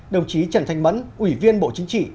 đồng chí trần thanh mẫn ủy viên bộ chính trị